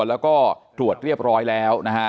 แล้วก็ตรวจเรียบร้อยแล้วนะฮะ